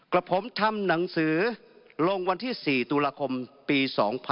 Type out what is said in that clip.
กับผมทำหนังสือลงวันที่๔ตุลาคมปี๒๕๖๒